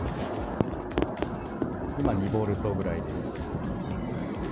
今２ボルトぐらいです。